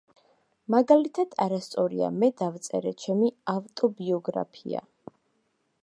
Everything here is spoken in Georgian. მაგალითად, არასწორია: მე დავწერე ჩემი ავტობიოგრაფია.